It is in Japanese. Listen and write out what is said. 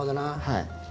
はい。